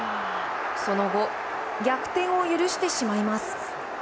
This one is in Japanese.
その後、逆転を許してしまいます。